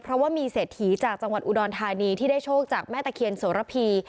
เพราะว่ามีเศรษฐีจากจังหวัดอุดรธานีที่ได้โชคจากแม่ตะเคียนโสระพี